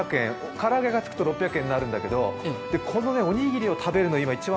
唐揚げがつくと６００円になるんだけれどこのおにぎりを食べるのを一番